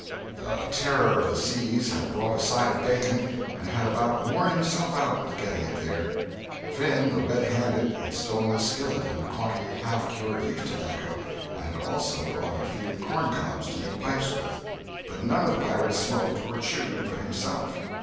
The Terror of the Seas had brought a side of bacon, and had about worn himself out with getting it there. Finn the Red Handed had stolen a skillet and a quantity of half cured leaf tobacco, and had also brought a few corn cobs to make pipes with. But none of the pirates smoked or "chewed" but himself.